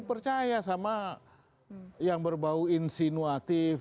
percaya sama yang berbau insinuatif